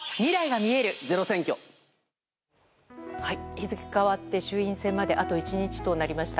日付変わって衆院選まであと１日となりました。